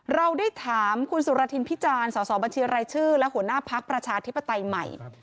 เราได้ถามคุณสุรทินพิจารณ์สอบบัญชีรายชื่อและหัวหน้าพักประชาธิปไตยใหม่